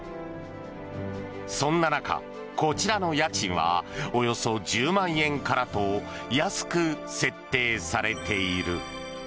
そんな中、こちらの家賃はおよそ１０万円からと安く設定されている。